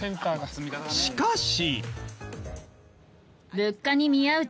しかし。